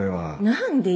何で？